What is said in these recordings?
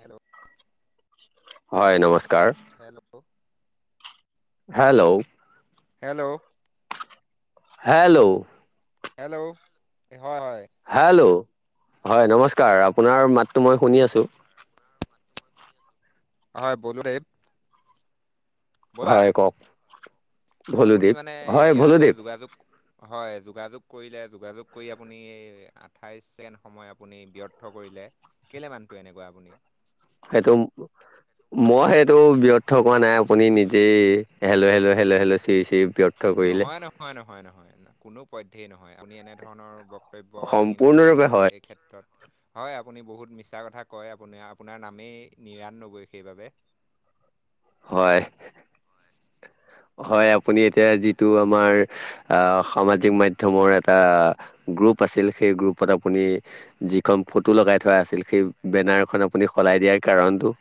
Hello হয় নমস্কাৰ। Hello hello hello hello hello হয় হয়। হেল্ল' হয় নমস্কাৰ আপোনাৰ মাতটো মই শুনি আছো। হয় ব'দো দেৱ। হয় কওক। আপুনি ভলুদীপ মানে হয় এতিয়লে ভলুদীপ যোগাযোগ হয় যোগাযোগ কৰিলে যোগাযোগ কৰি আপুনি আঠাইশ ছেকেণ্ড সময় আপুনি ব্যৰ্থ কৰিলে। কেলে মানটোো এনেকুৱা আপুনি সেইটো। মই সেইটো ব্যৰ্থ কৰাোৱা নাই আপুনি নিজেই হেলো-হেলো-হেলো-হেলো চিৰি-চিৰি নহয়-নহয়-নহয়-নহয় কোনো পধ্যয় নহয় আপুনি এনেধৰণৰ। কৰ্তব্য দাঙি নধৰিব সম্পূৰ্ণৰূপে হয় এই ক্ষেত্ৰত হয় আপুনি বহুত মিছা কথা কয় আপুনি আপোনাৰ নামেই নিৰাণ নবৈ সেইবাবে [unintelligible] হয়। [inaudible] হয় আপুনি এতিয়া যিটো আমাৰ, অ সামাজিক মাধ্যমৰ এটা গ্ৰপ গ্ৰুপ আছিল সেই গ্ৰুপত আপোনি যিখন ফটো লগাই থোৱা আছিল, সেই বেনাৰখন আপোনি সলাই দিয়া। সে কাৰণটো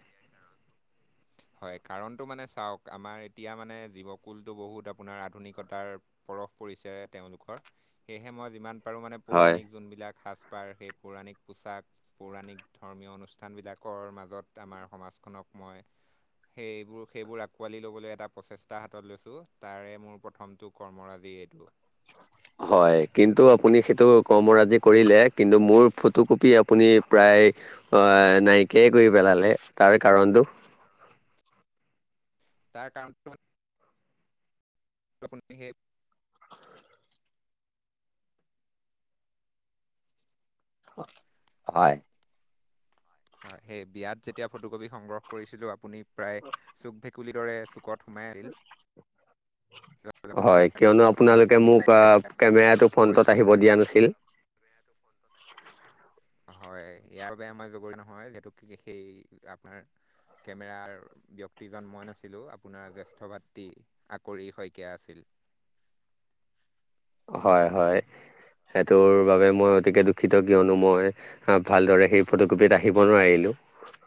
[inaudible] হয় কাৰণটো মানে চাওঁক, আমাৰ এতিয়া মানে জীৱকুলটো বহুত আপোনাৰ আধুনিকতাৰ বৰফ পৰিছে তেওঁলোকৰ, সেয়েহে মই যিমান পাৰোঁ মানে হয় পৌৰাণিক যোনবিলাক সাজ পাৰ সেই পৌৰাণিক পোচাক, পৌৰাণিক ধৰ্মীয়, অনুষ্ঠানবিলাকৰ মাজত আমাৰ সমাজখনক মই [inaudible] সেইবোৰ সেইবোৰ আঁকোৱালি ল'বলৈ এটা প্ৰচেষ্টা হাতত লৈছো, তাৰে মোৰ প্ৰথমটো কৰ্মৰাজি। [unintelligible] হয় কিন্তু আপোনি সেইটো কৰ্মৰাজি কৰিলে, কিন্তু মোৰ ফটোকপি আপোনি প্ৰায় নাইকিয়াই কৰি পেলালে, তাৰ কাৰণটো [inaudible] তাৰ কাৰণটো হল বিশেষ হয়। হয় সেই বিয়াত যেতিয়া ফটো কপি সংগ্ৰহ কৰিছিলোঁ, আপুনি প্ৰায় চুক ভেকুলীৰ দৰে চুকত সোমাই আছিল। হয় কিয়নো আপোনালোকে আপুনি মোক, পায় কেমেৰাটো ফ্ৰন্টত আহিব দিয়া নাছিল। হয় ইয়াৰ বাবে আমাক জগৰীয়া হয় সেইটোক সেই আমাৰ কেমেৰাৰ ব্যক্তিজন মই নাছিলোঁ আপোনাৰ জ্যেষ্ঠ ভাতৃ আকৰি শইকীয়া আছিল [unintelligible] হয় হয় সেইটোৰ বাবে মই অতিকে দুখিতঃ কিয়নো মই ভালদৰে সেই ফটোকপিত আহিব নোৱাৰিলোঁ [unintelligible]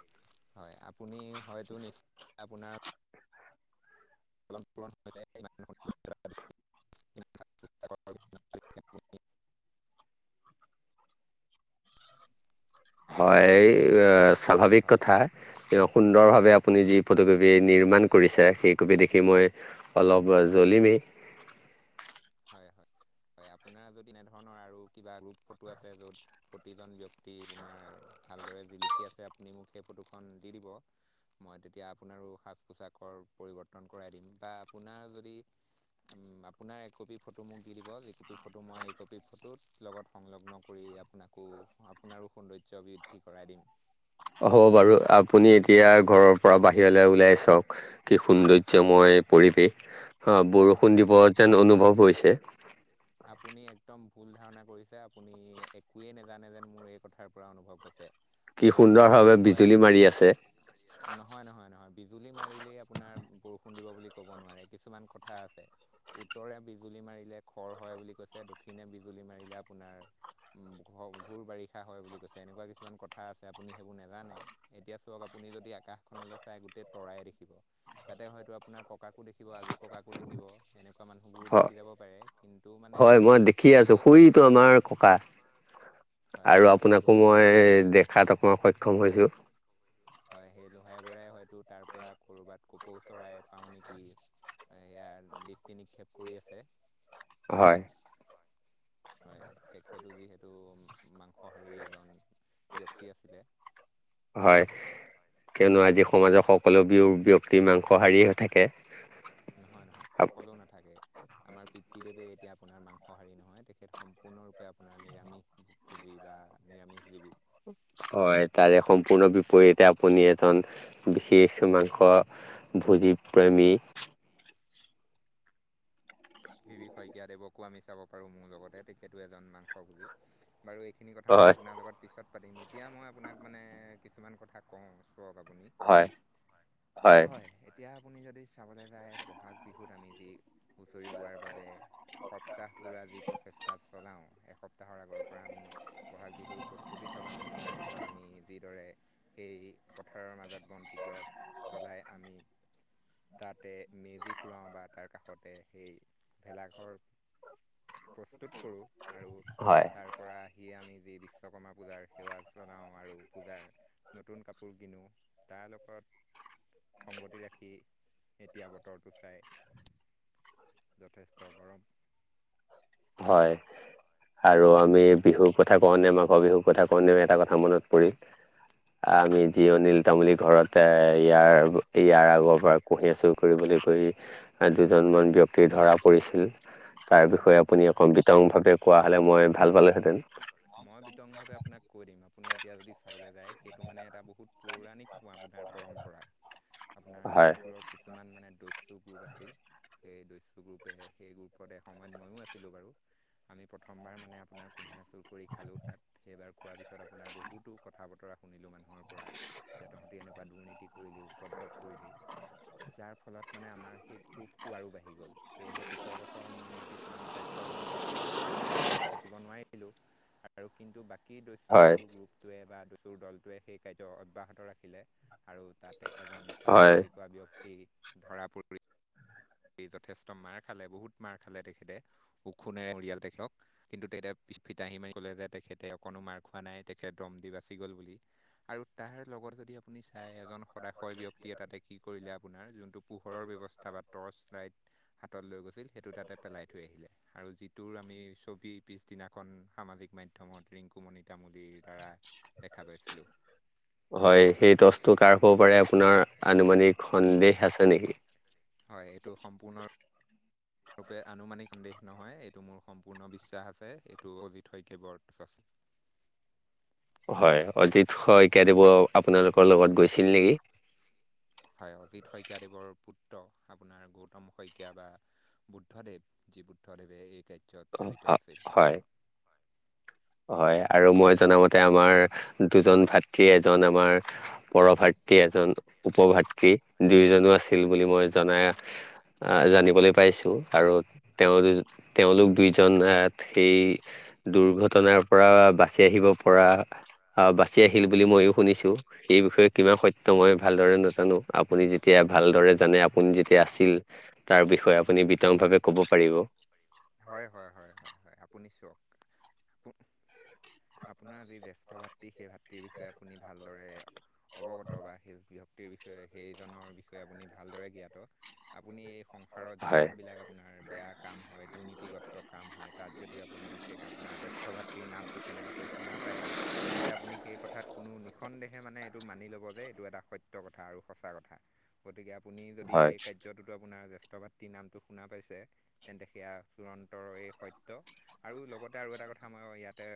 হয় আপুনি হয়তো নিশ্চয় আপোনাৰ [unintelligible] [unintelligible] হয় স্বাভাৱিক হয় কথা এ সুন্দৰভাৱে আপুনি যি ফটোকপি নিৰ্মাণ হয় হয় কৰিছে সেইকপি দেখি মই অলপ জলিমে হয় হয় হয় আপোনাৰ যদি এনেধৰণৰ আৰু কিবা গ্ৰুপ ফটো আছে যত প্ৰতিজন ব্যক্তি আপোনাৰ ভালদৰে জিলিকি আছে আপুনি মোক সেই ফটোখন দি দিব মই তেতিয়া আপোনাৰো সাজ পোছাকৰ পৰিৱৰ্তন কৰাই দিম বা আপোনাৰ যদি উম আপোনাৰ একপি ফটো মোক দি দিব যিকপি ফটো মই এইকপি ফটোত লগত সংলগ্ন কৰি আপোনাকো আপোনাৰ সৌন্দৰ্য বৃদ্ধি কৰাই দিম হ'ব বাৰু আপুনি এতিয়া ঘৰৰ পৰা বাহিৰলৈ উওলাই চওঁক কি সৌন্দৰ্যময় এ পৰিৱেশ হ হয়। বৰষুণ দিব যেন অনুভৱ হৈছে আপুনি একদম ভুল ধাৰণা কৰিছে আপুনি একোৱেই নেজানে যেন মোৰ এই কথাৰ পৰা অনুভৱ হৈছে কি আগৰ সুন্দৰ লোকসকলে ভাৱে কয় বিজুলী মাৰি আছে নহয় নহয় নহয় বিজুলী মাৰিলেই আপোনাৰ বৰষুণ দিব বুলি ক'ব নোৱাৰে কিছুমান কথা আছে। উত্তৰে বিজুলী মাৰিলে খৰ হয় বুলি কৈছে দক্ষিণে বিজুলী মাৰিলে আপোনাৰ উ ঘুৰ বাৰিষা হয় বুলি কৈছে এনেকুৱা কিছুমান কথা আছে আপুনি সেইবোৰ নেজানে এতিয়া চক আপুনি আপুনি যদি আকাশখননলৈ চাই গোতেই তৰাই দেখিব তাতে হয়তো আপোনাৰ ককাকো দেখিব আজ ককাকো দেখিব এনেকুৱ হয় হয় মই দেখি এই আছোঁ শুইটো আমাৰ ককা হয় আৰু হয় সেই আপোনাকো লোহাই মই বৰাই দেখাত অকই সক্ষম হৈছোঁ হয় সেই জোহাই বৰাই হয়তো তাৰ পৰা কৰ'বাত কপৌ চৰাই পাও নেকি? ইয়াৰ দৃষ্টি নিক্ষেপ কৰি আছে। হয়, হয়, তেখেতো যিহেতু মাংসহাৰী এজন ব্যক্তি আছিলে হয়, কিয়নো আজি সমাজৰ সকলো বিয়ো ব্যক্তি মাংসহাৰী হে থাকে। নহয় নহয় সকলো নাথাকে, আমাৰ পিতৃ দেৱে এতিয়া আপোনাৰ মাংসাৰী নহয় তেখেত সম্পূৰ্ণৰূপে আপোনাৰ নিৰামিষ। ল বা নিৰামিষ লিপি [unintelligible] হয় তাৰে সম্পূৰ্ণ বিপৰীতে আপুনি এজন বিশেষ মানস ভোজী প্ৰেমী। ভিবি শইকীয়া দেৱকো আমি চাব পাৰো মোৰ লগতে তেখেতো এজন মাংস ভুজি। বাৰু এইখিনি কথা মই হয় আপোনাৰ লগত পিছত পাতিম এতিয়া মই আপোনাক মানে কিছুমান কথা কওঁ। [unintelligible] হয় হয় হৈ এতিয়া আপুনি যদি চাবলৈ যায় ব'হাগ বিহুত আমি যি হুঁচৰি গোৱাৰ বাবে সপ্তাহ জোৰা যি প্ৰচেষ্টা চলাও এসপ্তাহৰ আগৰ পৰা আমি বহাগ বিহুৰ প্ৰস্তুতি চলাওঁ তাৰপিছত আমি যিদৰে সেই পথাৰৰ মাজত বন্তি গছ জ্বলাই আমি তাতে মেজি ফুৰাও বা তাৰ কাষতে সেই। ভেলাঘৰ প্ৰস্তুত কৰোঁ আৰু হয় তাৰ পৰা সি আমি যি বিশ্বকৰ্মা পূজাৰ সেৱা জনাওঁ আৰু পূজাৰ নতুন কাপোৰ কিনো তাৰ লগত সংগতি ৰাখি এতিয়া বতৰটো চাই যথেষ্ট গৰম। হয় আৰু হয় আমি বিহুৰ কথা কওঁ ন বিহুৰ কথা কণ এটা কথা মনত পৰিল হয় আমি জিৰণীল তামলী ঘৰত ইয়াৰ ইয়াৰ আগৰ পৰা কুঁহিয়া চুৰ কৰিবলৈ কৰি দুজন দুজন ব্যক্তি ধৰা পৰিছিল, তাৰ বিক্ষয় হয় আপুনি হয় হয় অকণ বিতং ভাৱে কোৱা হলে মই ভাল পালোহেঁতেন। মই বিতংভাৱে আপোনাক কৈ দিম আপুনি এতিয়া যদি চাবলৈ যায় সেইটো মানে এটা বহুত পৌৰাণিক পোৱা আপোনাৰ পৰম্পৰা আপোনাৰ হয় লক্ষিমপুৰৰ কিছুমান মানে দস্যু গ্ৰুপ আছিল সেই দস্যু গ্ৰুপে সেই গ্ৰুপত ওপৰতে সময়ত মইো আছিলো বাৰু। আমি প্ৰথমবাৰ মানে আপোনাৰ কুঁহিয়াৰ চুৰ কৰি খালো তাত সেইবাৰ খোৱাৰ পিছত আপোনাৰ বহুতো কথা বতৰা শুনিলো মানুহৰ পৰা যে তহঁতি এনেকুৱা দুৰ্নীতি কৰিলি উপদ্ৰৱ কৰিলি। যাৰ ফলত মানে আমাৰ সেই খোবটো আৰু বাঢ়ি গ'ল সেয়েহে পিছৰ বছৰ মোৰ কিছুমান স্বাস্থ্যজনিত কাৰৰ কাৰণত মই থাকিব নোৱাৰিলোঁ আৰু কিন্তু বাকী কি দচু হয় গ্ৰুপটোৱে বা দুচুৰ দলটোৱে সেই কাৰ্য অব্যোহত ৰাখিলে। আৰু তাতে এজন ফাটেম হয় বুলি কোৱা ব্যক্তি ধৰা পৰিল। এই যথেষ্ট মাৰ খালে বহুত মাৰ খালে তেখেতে ওখোনেৰে পৰিয়াল তেখেতক কিন্তু তেখেতে [unintelligible] আহি মাৰি ক'লে যে তেখেতে অকণো মাৰ খোৱা নাই তেখেত দম দি বাচি গ'ল বুলি। আৰু তাৰ লগত যদি আপুনি চাই এজন সদায়শয় ব্যক্তিয়ে ততে কি কৰিলে আপোনাৰ যোনটো পোহৰৰ ব্যৱস্থাাত লাইট হাতত লৈ গৈছিল সেইটো তাতে পেলাই থৈ আহিলে আৰু যিটোৰ আমি ছবি। পিছদিনাখন সামাজিক মাধ্যমত ৰিংকুমনিক। হয় সেই টচটো কাৰ হ'ব পাৰে আপোনাৰ আনুমানিক সন্দেহ আছে নেকি? [inaudible] ৰূপে আনুমানিক সন্দেহ নহয় এইটো মোৰ সম্পূৰ্ণ বিশ্বাস আছে এইটো অজিত শইকীয়া বৰ [inaudible] হয় অজিত শইকীয়াদেৱৰ আপোনালোকৰ লগত গৈছিল নেকি? হয় অজিত শইকীয়াদেৱৰ পুত্ৰ আপোনাৰ গৌতম শইকীয়া বা বুদ্ধদেৱ যি বুদ্ধদেৱে এই ক অ', হয় হয় আৰু মই জনামতে আমাৰ দুজন ভাতৃ এজন আমাৰ পৰভাতৃ এজন উপভাতৃ দুয়োজনো আছিল বুলি মই জনাই আহ জানিবলৈ পাইছো আৰু তেওঁ তেওঁলোক দুইজন সেই দুৰ্ঘটনাৰ পৰা বাচি আহিব পৰা অ' বাচি আহিল বুলি মইো শুনিছো এই বিষয়ে কিমান সত্য মই ভালদৰে নাজানো আপুনি যেতিয়া ভালদৰে জান আপোনী যেতিয়া অ', আছিল তাৰ বিষয়ে আপোনী বিতং ভাৱে কব পাৰিব হয় হয় হয় হয় হয় আপুনি চওক আপোনাৰ যি জ্যেষ্ঠভাতৃ সেই ভাতৃৰ বিষয়ে আপুনি ভালদৰে অৱগত বা তৃৰ বিষয়ে সেইজনৰ বিষয়ে আপুনি ভালদৰে জ্ঞাত আপুনি এই সংসাৰত হয় যিমান বিলাক আপোনাৰ বেয়া কাম হয় দুৰ্নীতি ক্ষতিগ্ৰস্ত কাম হয় তাত যদি আপোনী আপোনাৰ জ্যেষ্ঠ ভাতৃৰ নামটো কেনেবাকৈ শুনা পায় তেন্তে আপুনি সেই কথাত কোনো নিসন্দেহে মানে এইটো মানি ল'ব যে এইটো এটা সত্য কথা আৰু সঁচা কথা গতিকে আপুনি যদি হয় সেই কাৰ্যটোতো আপোনাৰ জ্যেষ্ঠ ভাতৃৰ নামটো শুনা পাইছে তেন্তে সেয়া চিৰন্তৰে সত্য আৰু লগতে আৰু এটা এটা কথা মই ইয়াতে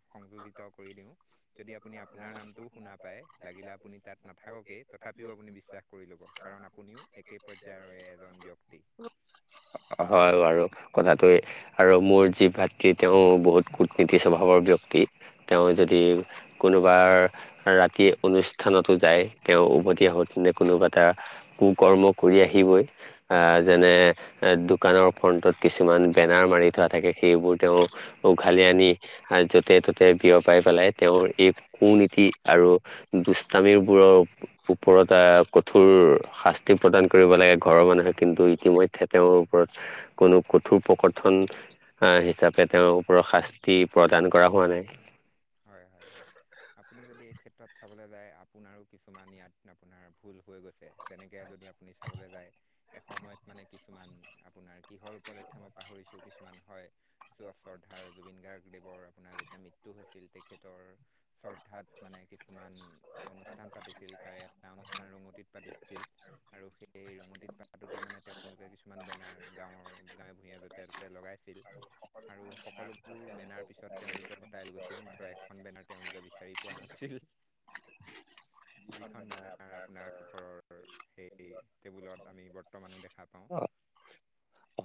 অ' সংযোজিত কৰি দিও যদি আপুনি আপোনাৰ নামটোও শুনা পায় লাগিলে আপুনি তাত নাথাককে তথাপিও আপুনি বিশ্বাস কৰি ল'ব কাৰণ আপুনিও একে পৰ্যায়ৰে এজন ব্যক্তি হয় বাৰু আৰু কথাটোৱে আৰু মোৰ যি ভাতৃ তেওঁ বহুত কূটনীতি স্বভাৱৰ ব্যক্তি তেওঁ যদি কোনোবা ৰাতি অনুষ্ঠানতো যায় তেওঁ উভতি আহোতেনে কোনোবা এটা কু কৰ্ম কৰি আহিবই যেনে দোকানৰ হয়। ফ্ৰন্টত কিছুমান বেনাৰ মাৰি থোৱা থাকে সেইবোৰ তেওঁ উঘালি আনি হয়। আৰু য'তে ত'তে বিয় পাই পেলাই তেওঁৰ এই কু নীতি আৰু দুষ্টামিৰবোৰৰ ওপৰত ৰত এটা কঠোৰ শাস্তি প্ৰদান কৰিব লাগে ঘৰৰ মানুহে কিন্তু ইতিমধ্যে তেওঁৰ ওপৰত কোনো কঠোৰ প্ৰকথন হিচাপে তেওঁৰ ওপৰত শাস্তি প্ৰদান কৰা হোৱা নাই হয় হয় হয় আপুনি এই ক্ষেত্ৰত চাবলৈ যায় আপোনাৰো কিছুমান ইয়াত আপোনাৰ ভুল হৈ গৈছে যেনেকে যদি আপুনি চাবলৈ যায় এসময়ত মানে কিছুমান আপোনাৰ কিহৰ উপলক্ষে মই পাহৰিছো কিছুমান হয় যোৱা শ্ৰদ্ধাৰ জুবিন গাৰ্গদেৱৰ আপোনাৰ যেতিয়া মৃত্যু হৈছিল তেখেতৰ শ্ৰদ্ধাত মানে কিছুমান অনুষ্ঠান পাতিছিল তাৰে এটা অনুষ্ঠান ৰঙতিত পাতিছিল আৰু সেই সেই ৰঙতিত পাহাটোতে মানে তেওঁলোকে কিছুমান বেনাৰ গাঁৱৰ গাঁৱে ভূঞা যতে ত'তে লগাইছিল আৰু সকলোবোৰ বেনাৰ পিছত তেওঁলোকে সচাই গৈছিল মাত্ৰ এখন বেনাৰ তেওঁলোকে বিচাৰি পোৱা নাছিল যিখন বেনাৰ আপোনাৰ ঘৰৰ সেই টেবুলত আমি বৰ্তমানো দেখা পাওঁ [unintelligible]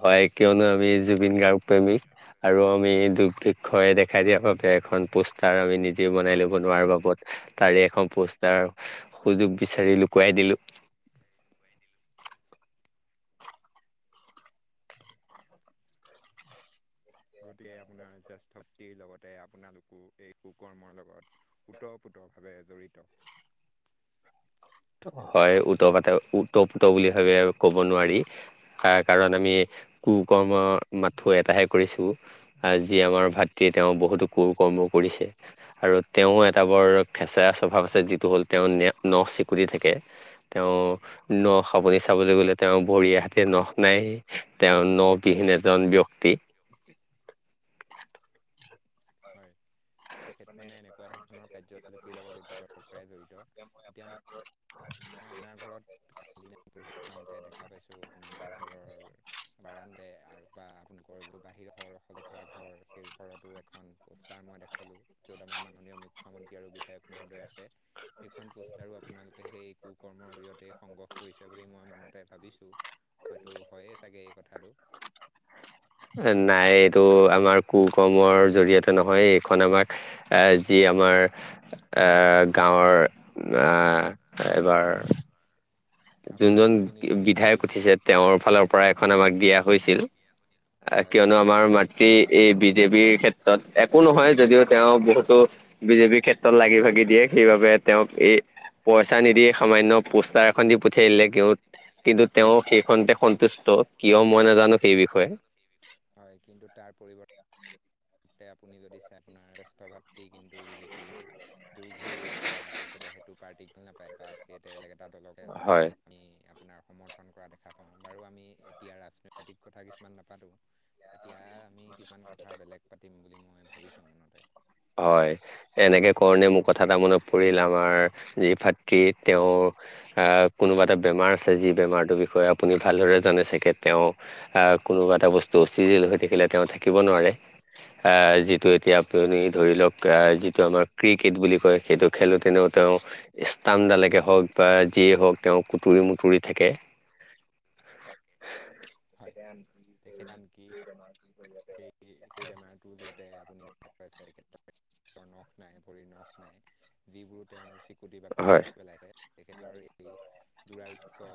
হয় কিয়নো আমি জুবিন গাৰ্গ প্ৰেমিক আৰু আমি দুৰ্ভৃক্ষই দেখাই দিয়া বাবে এখন পোষ্টাৰ আমি নিজে বনাই লব নোৱাৰা বাবে তাৰে এখন পষ্টাৰ সুযোগ বিচাৰি লুকুৱাই দিলো গতিকে আপোনাৰ জ্যেষ্ঠ ভাতৃৰ লগতে আপোনালোকো এই কুকৰ্মৰ লগত উত্তৰ ভাৱে জড়িত হয় ওত পাতে ওতপুত বুলি ভাবে কব নোৱাৰি কাৰ কাৰণ আমি কু কৰ্ম মাথো এটাহে কৰিছোঁ যি আমাৰ হয় ভাতৃ। তেওঁ বহুতো কু কৰ্ম কৰিছে আৰু হয় তেওঁ এটা বৰ খেঁচৰা স্বভাৱ আছে যিটো হ'ল তেওঁ। নেপ ন চিপ। কুট থাকে তেওঁ হয় নখ আপুনি চাবলৈ গ'লে তেওঁ ভৰি হাতে নখ নাই। তেওঁ নবিহীন এজন ব্যক্তি। [unintelligible] হয় তেখেত মানে এনেকুৱা ধৰণৰ কাৰ্যলিপিৰ লগত অতীতৰ পৰাই জড়িত। আ এতিয়া মই [unintelligible] মই আপোনাৰ ঘৰত ক পহিত গাওঁতে দেখা পাইছোঁ আপোনালোকৰ ঘৰৰ কাৰ আৰু বা আপোনালোকৰ। বাহিৰৰ সলোই থোৱা ঘৰ সেই ঘৰতো এখন পোষ্টাৰ মই দেখালোঁ। যত আমাৰ মানন মুখ্যমন্ত্ৰী আৰু বিধায়ক মহোদয় আছে সেইখন পোষ্টাৰো আপোনালোকে এক কৰ জৰিয়তে সংগ্ৰহ কৰিছে বুলি মই মনতে ভাবিছো। হয়তটো হয়ে চাগে এই কথাটো। নাই এইটো আমাৰ কু কমৰ জৰিয়তে নহয় এইখন আমাৰ যি আমাৰ এ গাঁওৰ এ এইবাৰ আপোনাৰ যোনজন প্ৰতিনিধিত্ব বিধায়ক কৰিছিল উঠিছে তেওঁৰ ফালৰ পৰা এখন আমাক দিয়া হৈছিল। হয় কিয়নো হয় আমাৰ মাতৃ এই বিজেপিৰ ক্ষেত্ৰত একো নহয় যদিও তেওঁ বহুতো বিজেপিৰ ক্ষেত্ৰত লাগি ভাগি দিয়ে সেইবাবে তেওঁক। এই পইচা নিদিয়ে সামান্য পোষ্টাৰ এখন দি প উঠিলে ক কিন্তু তেওঁ সেইখনতে সন্তুষ্ট কিয় মই নাজানো সেই বিষয়ে। হয় কিন্তু তাৰ পৰিৱৰ্তন। সে আপুনি যদি চাই আপোনাৰ জ্যেষ্ঠ ভাতৃ কিন্তু বিজেপিৰ দূৰঘূৰ আপোনাৰ। তেখেতে সেইটো পাৰ্টিক ভ নাপায় তাত তেতে বেলেগ এটা দলকে আছে হয়। আমি। আপোনাৰ সমৰ্থন কৰা দেখা পাওঁ বাৰু আমি এতিয়া ৰাজনৈতিক কথা কিছুমান নাপাতো। এতিয়া আমি কিছুমান কথা বেলেগ পাতিম বুলি মই ভাবিছো মনতে হয় এনেকে কাৰণে মোৰ কথা এটা মনত পৰিল আমাৰ যি ভাতৃ তেওঁৰ। অ কোনোবা এটা বেমাৰ যদি বেমাৰ টো বিষয়ে যি বেমাৰ টোৰ বিষয়ে ভাল দৰে জানে সাগে তেও এ। কোনোবা এটা বস্তু অস্থিজীল হৈ থাকিলে তেওঁ থাকিব নোৱাৰে যিটো এতিয়া হয় প। হয় যিটো আমাৰ ক্ৰিকেট বুলি কয় সেইটো খেলোঁতেনেও তেওঁ ষ্টাম্পডালেকে হওক বা। যিয়েই হওক তেওঁ কুটুৰি-মুটুৰি থাকে। [unintelligible] [inaudible] তেখেতন কি সেই সেই বেমাৰটো যাতে আপুনি দেখা তেখ। নখ নাই ভৰি নখ নাই যিবোৰো তেওঁ। গুট বা হয় বিশেষ পেলাই থে তেখেতৰ এই দুৰাৰোগ্য।